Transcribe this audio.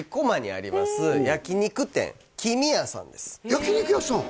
焼き肉屋さん？